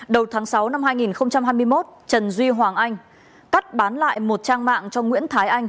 đầu tháng sáu năm hai nghìn hai mươi một trần duy hoàng anh cắt bán lại một trang mạng cho nguyễn thái anh